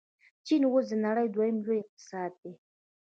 چین اوس د نړۍ دویم لوی اقتصاد دی.